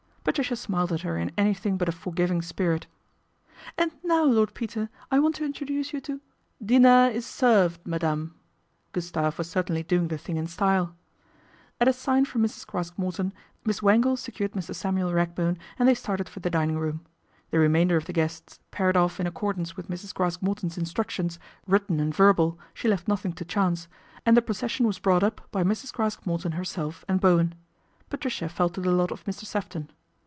Patricia smiled at her in anything but a for giving spirit. " And now, Lord Peter, I want to introduce you j. *" Deenair is served, madame." Gustave was certainly doing the thing in style. At a sign from Mrs. Craske Morton, Miss Wangle secured Mr. Samuel Ragbone and they started for the dining room. The remainder of the guests paired off in accordance with Mrs. Craske Morton's instructions, written and verbal, she left nothing to chance, and the procession was brought up by Mrs. Craske Morton herself and Bowen. Patricia fell to the lot of Mr. Sefton.